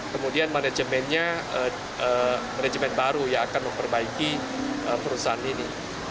kemudian manajemennya manajemen baru yang akan memperbaiki perusahaan ini